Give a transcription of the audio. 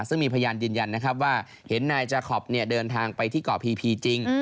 ซึ่งมีพยานยืนยันนะครับว่าเห็นนายจาคอปเดินทางไปที่เกาะพีพีจริง